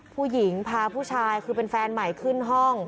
ผู้ชายพาผู้ชายคือเป็นแฟนใหม่ขึ้นห้อง